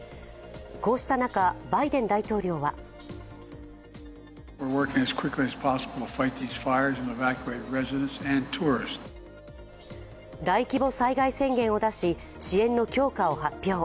こうした中、バイデン大統領は大規模災害宣言を出し支援の強化を発表。